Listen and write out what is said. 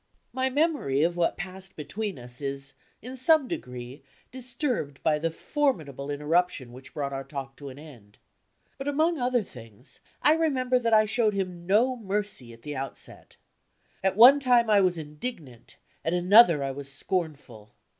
My memory of what passed between us is, in some degree, disturbed by the formidable interruption which brought our talk to an end. But among other things, I remember that I showed him no mercy at the outset. At one time I was indignant; at another I was scornful.